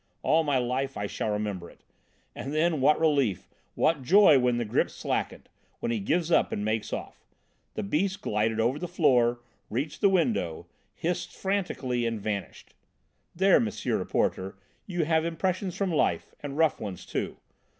All my life I shall remember it. And then, what relief, what joy when the grip slackened, when he gives up and makes off. The beast glided over the floor, reached the window, hissed frantically and vanished. There, M. Reporter, you have impressions from life, and rough ones, too!